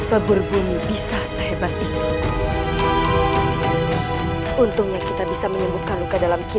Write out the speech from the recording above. kali ini kau tidak boleh melarikan diri